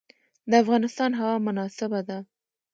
د افغانستان هوا مناسبه ده.